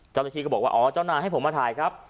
เจ้าหน้าที่ก็บอกว่าอ๋อเจ้านายให้ผมมาถ่ายครับ